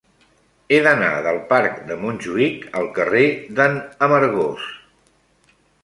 He d'anar del parc de Montjuïc al carrer de n'Amargós.